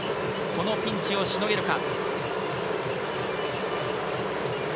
このピンチをしのげるか。